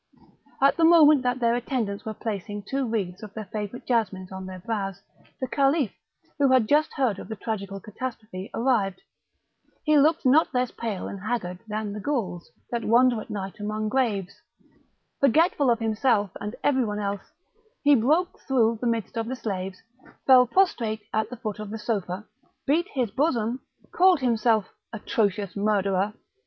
At the moment that their attendants were placing two wreaths of their favourite jasmines on their brows, the Caliph, who had just heard of the tragical catastrophe, arrived; he looked not less pale and haggard than the Gouls, that wander at night among graves; forgetful of himself and every one else, he broke through the midst of the slaves, fell prostrate at the foot of the sofa, beat his bosom, called himself "atrocious murderer!"